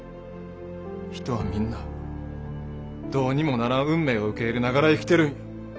人はみんなどうにもならん運命を受け入れながら生きてるんや。